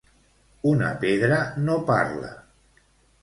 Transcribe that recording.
Una pedra no parla.